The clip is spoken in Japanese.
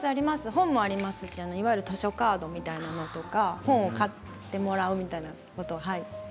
本もありますしいわゆる図書カードみたいな本を買ってもらうというような